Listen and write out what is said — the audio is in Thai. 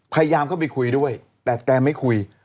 พยายามเข้าไปคุยด้วยแต่แกไม่คุย